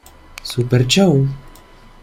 Super Show!